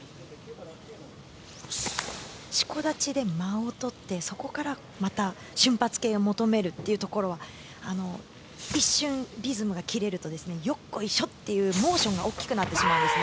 四股立ちで間を取ってそこからまた瞬発系を求めるということは一瞬リズムが切れるとよっこいしょというモーションが大きくなってしまうんですね。